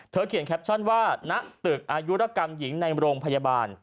เขียนแคปชั่นว่าณตึกอายุรกรรมหญิงในโรงพยาบาล